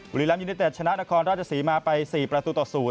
บุรีรัมยูนิเต็ดชนะนครราชศรีมาไป๔ประตูต่อ๐